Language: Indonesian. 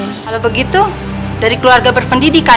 kalau begitu dari keluarga berpendidikan